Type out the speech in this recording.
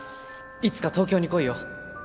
いつか東京に来いよ。